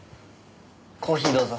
コーヒーどうぞ。